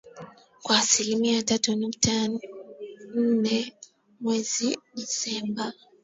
kwa asilimia tatu nukta nne mwezi disemba